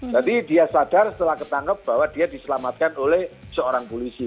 jadi dia sadar setelah ketangkep bahwa dia diselamatkan oleh seorang polisi